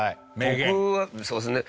僕はそうですね。